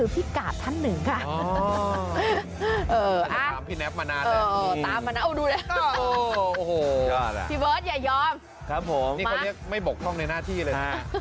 พร้อมในหน้าที่เลย